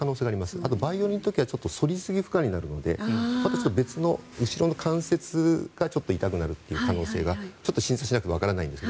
あと、バイオリンの時は反りすぎ、負荷になるので後ろの関節がちょっと痛くなる可能性が診察しないとわからないんですが。